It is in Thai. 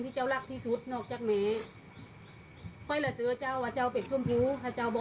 นั่งนั่งนั่งนั่งนั่งนั่งนั่งนั่งนั่งนั่งนั่งนั่งนั่งนั่งนั่ง